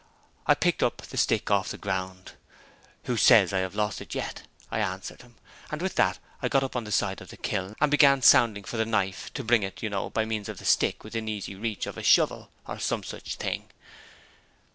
I picked up the stick off the ground. 'Who says I've lost it yet?' I answered him; and with that I got up on the side of the kiln, and began sounding for the knife, to bring it, you know, by means of the stick, within easy reach of a shovel, or some such thing.